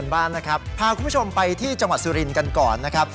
พาคุณผู้ชมไปที่จังหวัดศุลีนกันก่อน